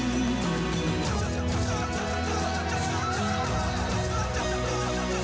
tidak masalah mencantumkan diri